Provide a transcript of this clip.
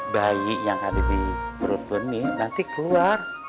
bayi yang ada di perut kundi nanti keluar